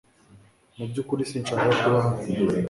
Mu byukuri sinshaka kuba hano